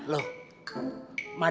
pak di mana